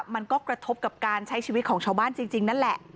มันก็กระทบกับการใช้ชีวิตของชาวบ้านจริงนั่นแหละ